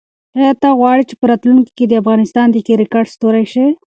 آیا ته غواړې چې په راتلونکي کې د افغانستان د کرکټ ستوری شې؟